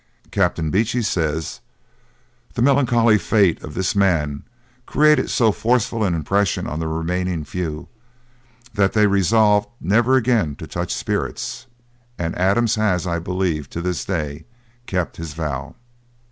Captain Beechey says, 'the melancholy fate of this man created so forcible an impression on the remaining few, that they resolved never again to touch spirits; and Adams has, I believe, to this day kept his vow.'